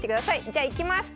じゃあいきます！